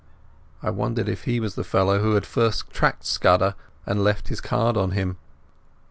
I wondered if he was the fellow who had first tracked Scudder, and left his card on him.